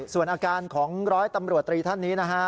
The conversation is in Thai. ส่วนอาการของร้อยตำรวจตรีท่านนี้นะฮะ